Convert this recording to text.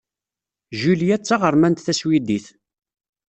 Julia d taɣermant taswidit.